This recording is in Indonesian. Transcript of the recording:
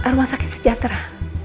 rumah sakit sejahtera